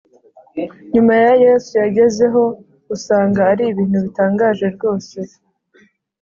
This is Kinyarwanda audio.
nyuma ya yesu yagezeho usanga ari ibintu bitangaje rwose